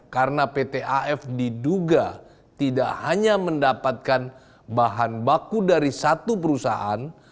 karena pt af diduga tidak hanya mendapatkan bahan baku dari satu perusahaan